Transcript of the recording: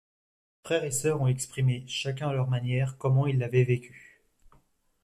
Frère et sœurs ont exprimé, chacun à leur manière, comment ils l'avaient vécue.